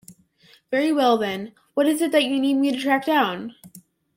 Very well then, what is it that you need me to track down?